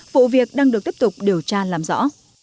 vụ việc đang được tiếp tục điều tra làm rõ